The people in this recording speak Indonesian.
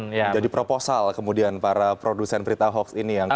itu bisa jadi proposal kemudian para produsen berita hoax ini yang